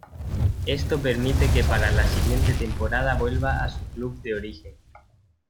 Esto permite que para la siguiente temporada vuelva a su club de origen.